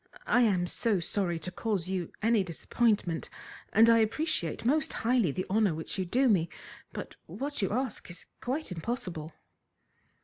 I am so sorry to cause you any disappointment, and I appreciate most highly the honour which you do me, but what you ask is quite impossible."